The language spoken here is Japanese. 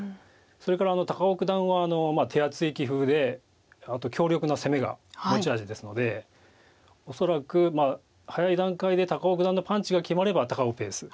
それから高尾九段は手厚い棋風であと強力な攻めが持ち味ですので恐らく早い段階で高尾九段のパンチが決まれば高尾ペース。